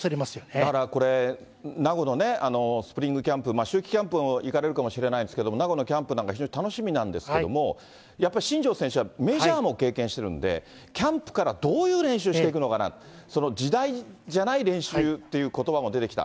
だからこれ、名護のスプリングキャンプ、春季キャンプも行かれるかもしれないんですけれども、名護のキャンプなんか、非常に楽しみなんですけれども、やっぱり新庄選手はメジャーも経験してるんで、キャンプからどういう練習していくのかなと、時代じゃない練習っていうことばも出てきた。